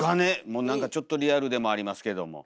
なんか、ちょっとリアルでもありますけども。